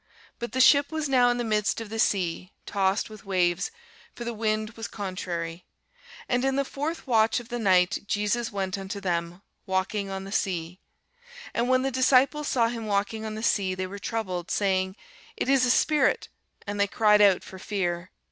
But the ship was now in the midst of the sea, tossed with waves: for the wind was contrary. And in the fourth watch of the night Jesus went unto them, walking on the sea. And when the disciples saw him walking on the sea, they were troubled, saying, It is a spirit; and they cried out for fear.